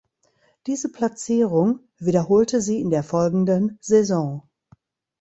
Diese Platzierung wiederholte sie in der folgenden Saison.